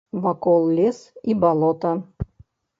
Вакол лес і балота.